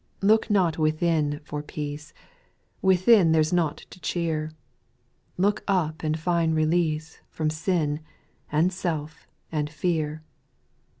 3. Look not within for peace, Within there 's nought to cheer ; Look up and find release From sin, and self, and fear.